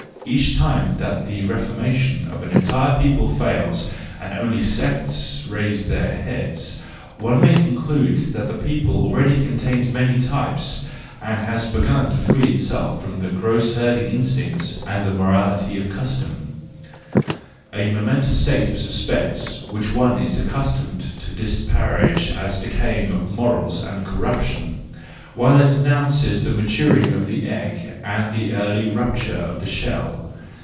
Every time that the Reformation of an entire people fails and only sects raise their heads, one may conclude that the people already contains many types, and has begun to free itself from the gross THE JOYFUL WISDOM, III 183 herding instincts and the morality of custom,—a momentous state of suspense, which one is accus¬ tomed to disparage as decay of morals and corruption, while it announces the maturing of the egg and the early rupture of the shell.